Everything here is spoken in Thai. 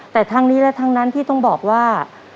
แต่ทั้งนี้และทั้งนั้นพี่ต้องบอกว่า